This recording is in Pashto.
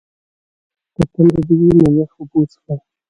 که تنده دې وي نو یخې اوبه وڅښه.